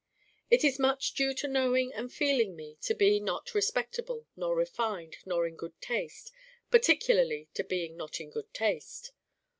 It is much due to knowing and feeling me to be not Respectable nor Refined nor in Good Taste: particularly to being not in Good Taste.